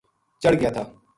چڑھ گیا تھا